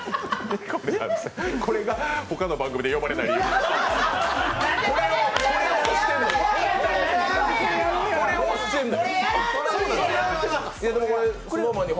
これが他の番組で呼ばれない理由ですね。